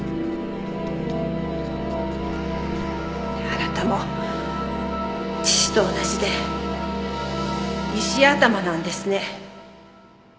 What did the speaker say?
あなたも父と同じで石頭なんですね。